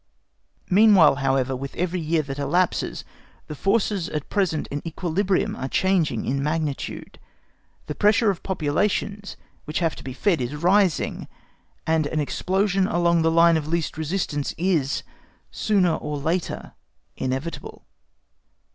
Meanwhile, however, with every year that elapses the forces at present in equilibrium are changing in magnitude—the pressure of populations which have to be fed is rising, and an explosion along the line of least resistance is, sooner or later, inevitable.